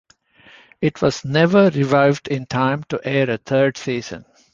It was never revived in time to air a third season.